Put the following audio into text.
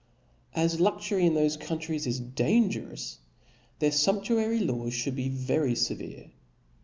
As luxury in thofe countries is dangerojs, their fumptuary laws Ihould be very fevere.